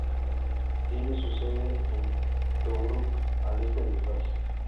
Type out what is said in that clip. Tiene su sede en Tobruk, al este del país.